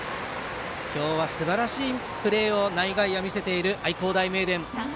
今日はすばらしいプレーを内外野で見せている愛工大名電。